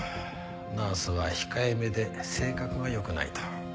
ナースは控えめで性格が良くないと。